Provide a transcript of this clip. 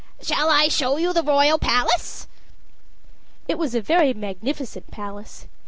Shall I show you the royal palace?" It was a very magnificent palace.